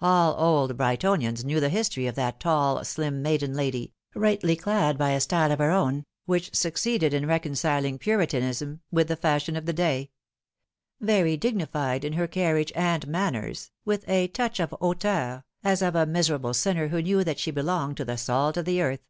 All old Brightonians knew the history of that tall, slim maiden lady, richly clad after a style of her own, which succeeded in reconciling Puritanism with the fashion of the day ; very digni fied in her carriage and manners, with a touch of hauteur, as of a miserable sinner who knew that she belonged to the salt of the earth.